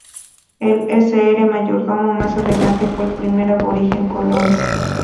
El Sr. Mayordomo, más adelante fue el primer aborigen colono.